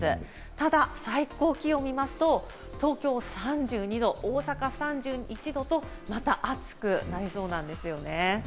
ただ最高気温を見ますと、東京３２度、大阪３１度と、また暑くなりそうなんですよね。